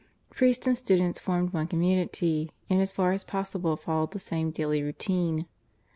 Priests and students formed one community, and as far as possible followed the same daily routine.